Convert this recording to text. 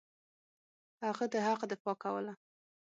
هغه د حق دفاع کوله.